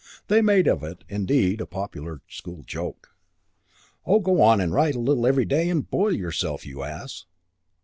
They made of it, indeed, a popular school joke, "Oh, go and write a little every day and boil yourself, you ass!"